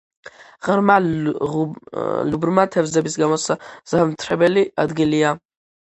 ღრმა ლუბრმა თევზების გამოსაზამთრებელი ადგილია.